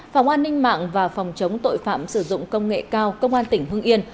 phòng an ninh mạng và phòng chống tội phạm sử dụng công nghệ cao công an tp hcm